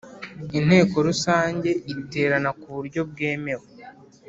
Inteko Rusange iterana ku buryo bwemewe